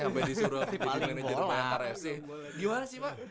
sampai disuruh menjadi manajer bayangkara fc